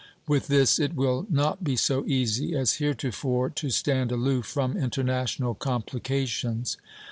With this it will not be so easy as heretofore to stand aloof from international complications.